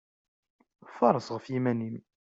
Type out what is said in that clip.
Faṛeṣ ɣef yiman-im!